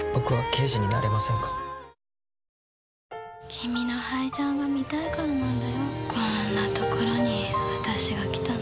君のハイジャンが見たいからなんだよこんな所に私が来たの。